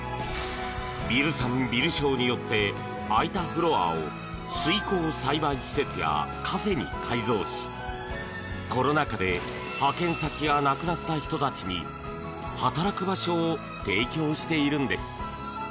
ビル産ビル消によって空いたフロアを水耕栽培施設やカフェに改造しコロナ禍で派遣先がなくなった人たちに働く場所を提供しているのです。